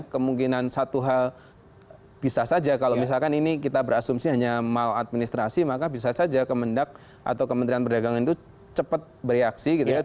kemungkinan satu hal bisa saja kalau misalkan ini kita berasumsi hanya maladministrasi maka bisa saja kemendak atau kementerian perdagangan itu cepat bereaksi gitu ya